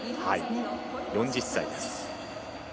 ４０歳です。